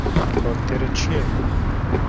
Bakterî çi ye?